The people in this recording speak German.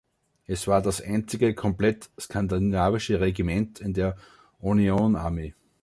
Es war das einzige komplett skandinavische Regiment in der Union Army.